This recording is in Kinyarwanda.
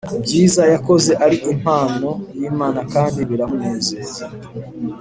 byiza yakoze ari impano y Imana kandi biramunezeza